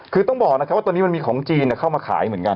คือต้องบอกนะครับว่าตอนนี้มันมีของจีนเข้ามาขายเหมือนกัน